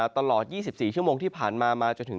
ตลอด๒๔ชั่วโมงที่ผ่านมามาจนถึง